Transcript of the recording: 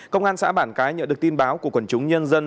công an xã bản cái nhận được tin báo của quần chúng nhân dân